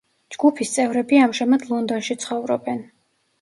ჯგუფის წევრები ამჟამად ლონდონში ცხოვრობენ.